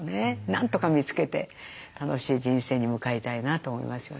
なんとか見つけて楽しい人生に向かいたいなと思いますよね。